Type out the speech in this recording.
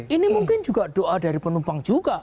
ini mungkin juga doa dari penumpang juga